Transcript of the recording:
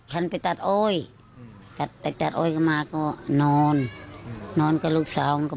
ฉันไปตัดอ้อยตัดตัดอ้อยก็มาก็นอนนอนกับลูกสาวมันก็